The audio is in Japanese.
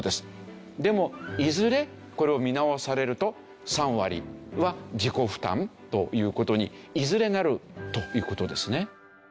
でもいずれこれを見直されると３割は自己負担という事にいずれなるという事ですね。